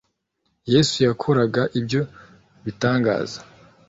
yesu yakoraga ibyo bitangaza